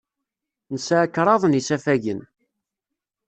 Nesɛa kraḍ n yisafagen.